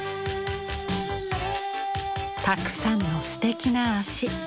たくさんのすてきな足。